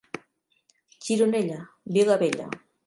Gironella, vila bella.